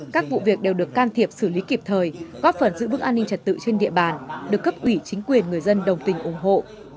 các vụ việc đều được can thiệp xử lý kịp thời góp phần giữ vững an ninh trật tự trên địa bàn được cấp ủy chính quyền người dân đồng tình ủng hộ